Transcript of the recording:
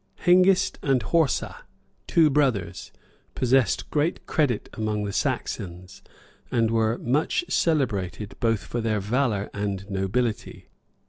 [*][* W. Malms, p. 8.] Hengist and Horsa, two brothers, possessed great credit among the Saxons, and were much celebrated both for their valor and nobility.